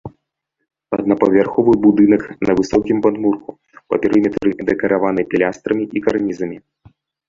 Аднапавярховы будынак на высокім падмурку, па перыметры дэкараваны пілястрамі і карнізамі.